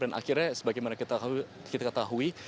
dan akhirnya sebagaimana kita ketahui